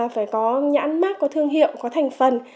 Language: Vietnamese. phải có nhãn mát có thương hiệu có thành phần